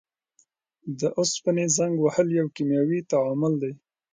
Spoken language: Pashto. د اوسپنې زنګ وهل یو کیمیاوي تعامل دی.